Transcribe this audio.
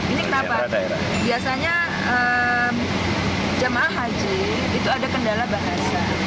ini kenapa biasanya jemaah haji itu ada kendala bahasa